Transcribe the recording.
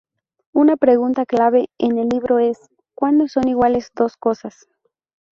Una pregunta clave en el libro es: "¿Cuándo son iguales dos cosas?